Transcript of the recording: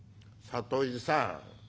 「里井さん。